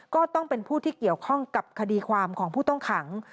ก็ต้องเป็นผู้ที่เกี่ยวข้องกับคดีความของผู้ต้องขัง